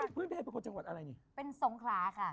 นี่เป็นเพื่อนโภคประโยคนจังหวัดอะไรอย่างงี้